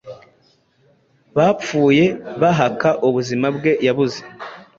Bapfuye, bahaka ubuzima bwe, yabuze